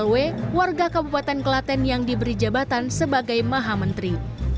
halwe warga kabupaten kelaten yang diberi jabatan sebagai mahamenteri